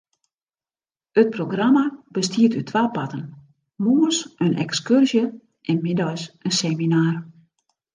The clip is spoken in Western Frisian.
It programma bestiet út twa parten: moarns in ekskurzje en middeis in seminar.